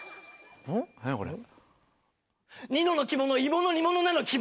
何やこれ。